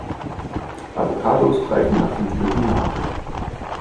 Avocados reifen nach dem Pflücken nach.